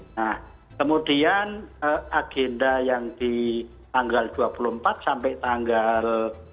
nah kemudian agenda yang di tanggal dua puluh empat sampai tanggal tiga puluh satu